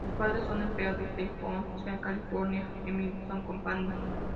Sus padres son empleados de Southern California Edison Company.